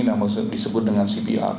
yang disebut dengan cpr